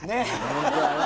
本当だね。